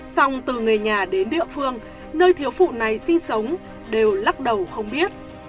xong từ nghề nhà đến địa phương nơi thiếu phụ này sinh sống đều lắc đầu không biết